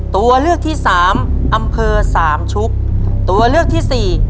ตัวเลือกที่สามอำเภอสามชุกตัวเลือกที่สี่